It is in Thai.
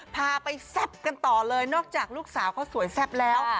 พาไปแซ่บกันต่อเลยนอกจากลูกสาวเขาสวยแซ่บแล้ว